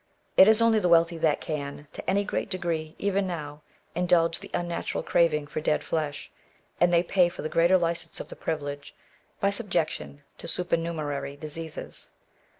It is only the wealthy that can, to any great degree, even now, indulge the imnatural craving for dead flesh, and they pay for the greater licence of the privilege, by subjection to supernumerary / diseases.